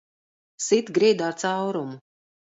Sit grīdā caurumu!